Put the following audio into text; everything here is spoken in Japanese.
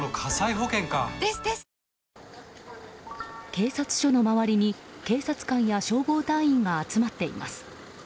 警察署の周りに警察官や消防隊員が集まっています。